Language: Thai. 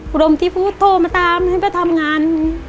กรมที่พุทธโทรมาตามให้ไปทำงาน